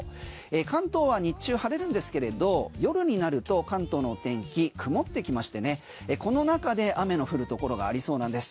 関東は日中、晴れるんですけれど夜になると関東の天気曇ってきまして、この中で雨の降るところがありそうなんです。